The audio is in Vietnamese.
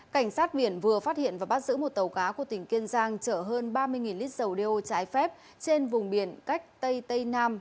cảnh sát biển vừa phát hiện và bắt giữ một tàu cá của tỉnh kiên giang chở hơn ba mươi lít dầu đeo trái phép trên vùng biển cách tây tây nam